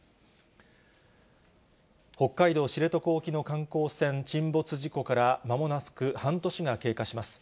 北海道知床沖の観光船沈没事故からまもなく半年が経過します。